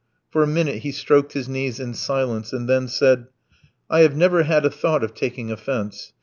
For a minute he stroked his knees in silence, and then said: "I have never had a thought of taking offence.